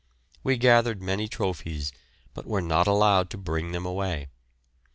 We gathered many trophies, but were not allowed to bring them away.